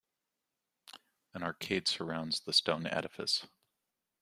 An arcade surrounds the stone edifice.